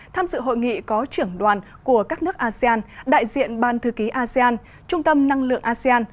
tham dự hội nghị có trưởng đoàn của các nước asean đại diện ban thư ký asean trung tâm năng lượng asean